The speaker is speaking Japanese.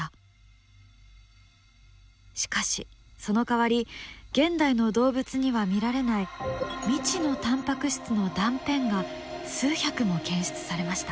しかしそのかわり現代の動物には見られない未知のタンパク質の断片が数百も検出されました。